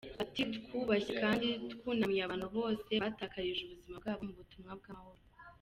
Ati: “Twubashye kandi twunamiye abantu bose batakarije ubuzima bwabo mu butumwa bw’amahoro.